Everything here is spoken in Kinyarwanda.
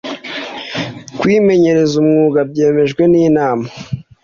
kwimenyereza umwuga byemejwe n inama